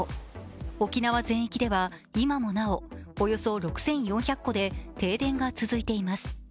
沖縄全域では今もなおおよそ６４００戸で停電が続いています。